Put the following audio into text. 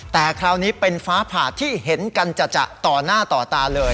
แต่คราวนี้เป็นฟ้าผ่าที่เห็นกันจัดต่อหน้าต่อตาเลย